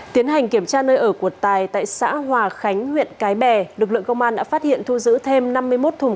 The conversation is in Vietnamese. tiến hành kiểm tra nơi ở của tài tại xã hòa khánh huyện cái bè lực lượng công an đã phát hiện thu giữ thêm năm mươi một thùng